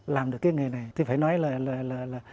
làm được cái nghề này thì phải nói là